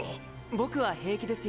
僕は平気ですよ。